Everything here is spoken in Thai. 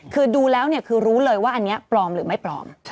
คือดูแล้วคือรู้เลยว่าอันนี้ปลอมหรือไม่ปลอม